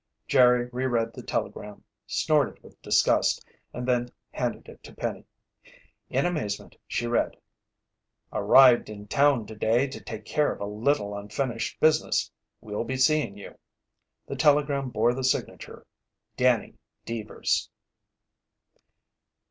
Jerry reread the telegram, snorted with disgust, and then handed it to Penny. In amazement she read: "ARRIVED IN TOWN TODAY TO TAKE CARE OF A LITTLE UNFINISHED BUSINESS. WILL BE SEEING YOU." The telegram bore the signature, Danny Deevers.